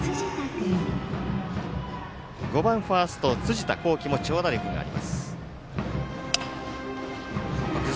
５番ファースト辻田剛暉も長打力があります。